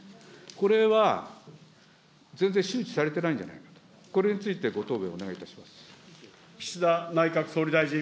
これは、全然周知されてないんじゃないかと、これについてご答弁をお願いいたします。